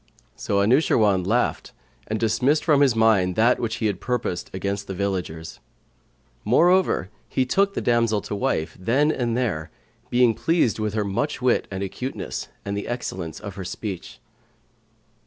So Anushirwan laughed and dismissed from his mind that which he had purposed against the villagers. Moreover, he took the damsel to wife then and there, being pleased with her much wit and acuteness and the excellence of her speech.